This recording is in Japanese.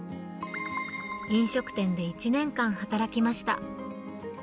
飲食店で１年間働きました。